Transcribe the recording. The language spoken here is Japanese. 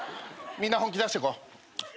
みんな本気出してこう。